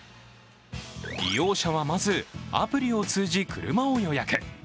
利用者はまず、アプリを通じ車を予約。